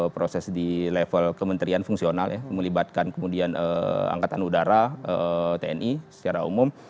proses di level kementerian fungsional ya melibatkan kemudian angkatan udara tni secara umum